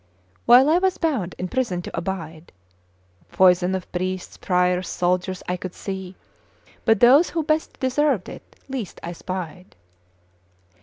While I was bound in prison to abide, Foison of priests, friars, soldiers I could see; But those who best deserved it least I spied.